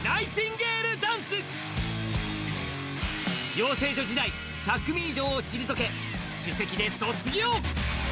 養成所時代１００組以上を退け首席で卒業。